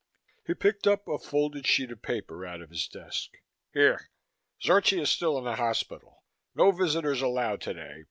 He picked a folded sheet of paper out of his desk. "Here. Zorchi is still in the hospital; no visitors allowed today.